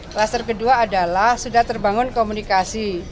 kluster kedua adalah sudah terbangun komunikasi